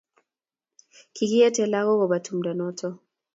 kikiete lagok koba tumdo noto